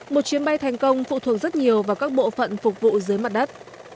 một chuyến bay thành công phụ thuộc rất nhiều vào các bộ phận phục vụ dưới mặt đất